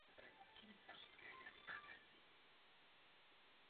Přechod na nový systém trval v některých regionech a na některých úsecích dlouhá léta.